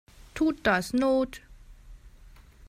Tut das not?